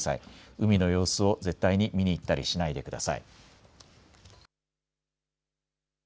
海の様子を絶対に見に行ったりしないでください。